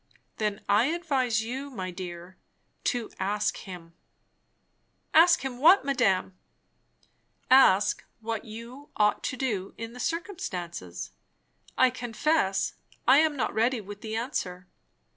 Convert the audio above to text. "Then I advise you, my dear, to ask him." "Ask him what, madame?" "Ask what you ought to do in the circumstances. I confess I am not ready with the answer.